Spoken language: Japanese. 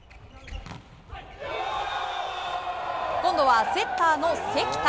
今度はセッターの関田。